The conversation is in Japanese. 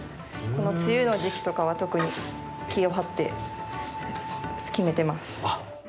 梅雨の時期とかは特に気を張って決めてます。